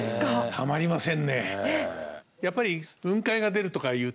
たまりませんね。